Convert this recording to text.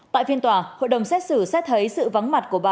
tại phiên tòa hội đồng xét xử xét thấy sự vắng mặt của bà